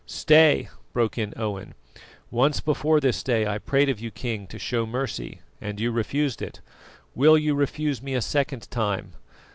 "Stay!" broke in Owen. "Once before this day I prayed of you, King, to show mercy, and you refused it. Will you refuse me a second time?